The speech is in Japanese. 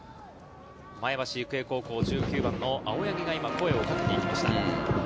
前橋育英高校、１９番の青柳が今、声をかけに行きました。